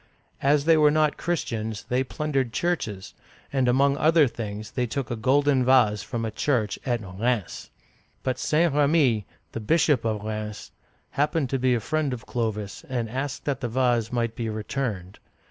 As they were not Chris tians, they plundered churches, and among other things they took a golden vase from a church at Rheims (remz, or raNss). But St. R^mi (ra mee'), the bishop of Rheims, happened to be a friend of Clovis, and asked that the vase might be returned.